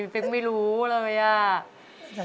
เป็นไม่รู้เลยไหมอ่ะ